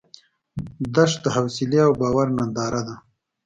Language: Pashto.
دښته د حوصله او باور ننداره ده.